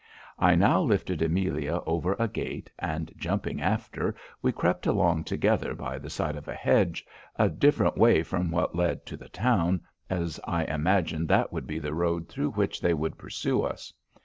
"I now lifted Amelia over a gate, and, jumping after, we crept along together by the side of a hedge, a different way from what led to the town, as I imagined that would be the road through which they would pursue us.